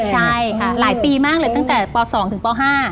ใช่ค่ะหลายปีมากเลยตั้งแต่ป๒ถึงป๕